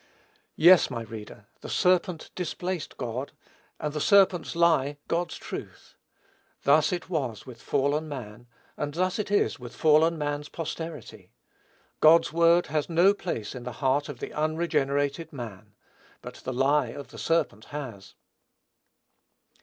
Yes, my reader, the serpent displaced God, and the serpent's lie God's truth. Thus it was with fallen man; and thus it is with fallen man's posterity. God's word has no place in the heart of the unregenerated man; but the lie of the serpent has.